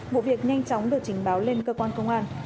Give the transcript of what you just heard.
vụ việc nhanh chóng được trình báo lên cơ quan công an